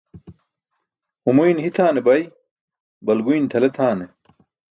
humuyn hitʰaane bay, balguyn tʰale tʰane.